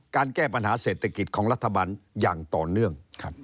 แก้ปัญหาเศรษฐกิจของรัฐบาลอย่างต่อเนื่อง